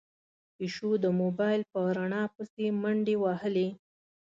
پيشو د موبايل په رڼا پسې منډې وهلې.